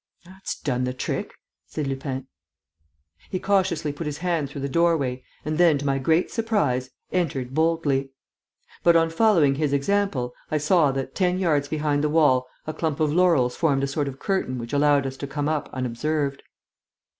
"That's done the trick!" said Lupin. He cautiously put his hand through the doorway and then, to my great surprise, entered boldly. But, on following his example, I saw that, ten yards behind the wall, a clump of laurels formed a sort of curtain which allowed us to come up unobserved.